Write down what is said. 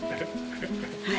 はい